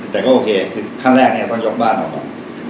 แต่ก็โอเคคือขั้นแรกเนี่ยต้องยกบ้านออกก่อน